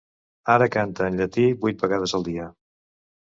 Ara canta en llatí vuit vegades al dia.